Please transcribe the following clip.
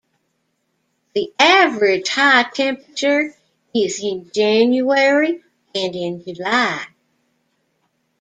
The average high temperature is in January and in July.